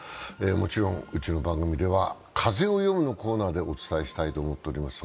もちろん、うちの番組では「風をよむ」のコーナーでお伝えしたいと思っています。